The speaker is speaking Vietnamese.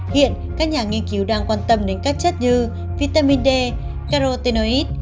hiện các nhà nghiên cứu đang quan tâm đến các chất như vitamin d carotene